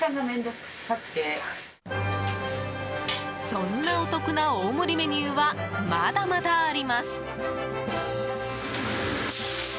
そんなお得な大盛りメニューはまだまだあります。